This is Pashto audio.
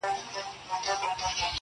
پېري ته غزنى څه شي دئ.